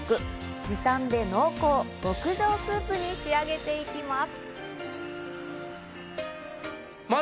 時短で濃厚、極上スープに仕上げていきます。